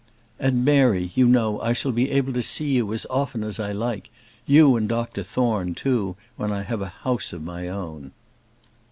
"And Mary, you know, I shall be able to see you as often as I like; you and Dr Thorne, too, when I have a house of my own."